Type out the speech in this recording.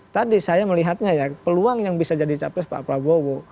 tadi saya melihatnya ya peluang yang bisa jadi capres pak prabowo